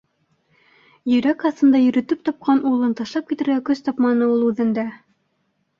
Йөрәк аҫтында йөрөтөп тапҡан улын ташлап китергә көс тапманы ул үҙендә.